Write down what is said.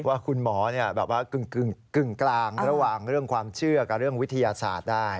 ว่าคุณหมอแบบว่ากึ่งกลางระหว่างเรื่องความเชื่อกับเรื่องวิทยาศาสตร์ได้